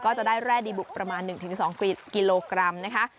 ก็จะได้แร่ดีบุกประมาณ๑๒กิโลกรัมนะคะ